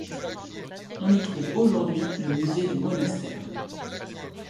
On y trouve aujourd'hui le musée du monastère.